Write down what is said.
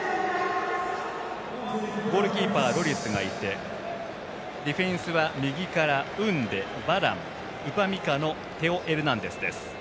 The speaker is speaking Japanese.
ゴールキーパーのロリスがいてディフェンスは、右からクンデバラン、ウパミカノテオ・エルナンデスです。